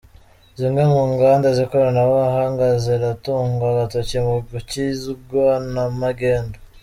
Zimwe mu nganda z’ikoranabuhanga ziratungwa agatoki mu gukizwa na magendu